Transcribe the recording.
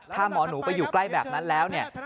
ถ้าหมอหนูไปอยู่ใกล้แบบนั้นแล้วเนี่ย